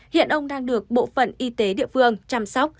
hiện ông đang được bộ phận y tế địa phương chăm sóc